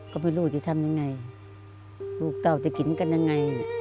ก็ไม่รู้จะทำยังไงลูกเต้าจะกินกันยังไง